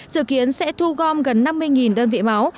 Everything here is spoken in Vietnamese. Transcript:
dự kiến sẽ thu gom gần năm mươi đơn vị máu